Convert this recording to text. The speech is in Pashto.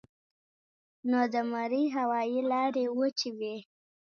نو د مرۍ هوائي لارې وچې وي